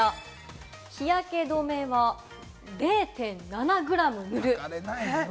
日焼け止めは０．７グラム塗る。